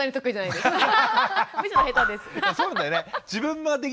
そうだよね。